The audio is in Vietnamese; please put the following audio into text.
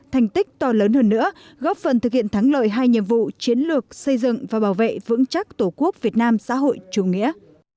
thành tích to lớn hơn nữa góp phần thực hiện thắng lợi hai nhiệm vụ chiến lược xây dựng và bảo vệ vững chắc tổ quốc việt nam xã hội chủ nghĩa